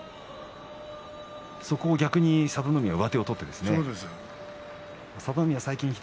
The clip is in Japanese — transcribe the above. そこを逆に佐田の海上手を取ってですね。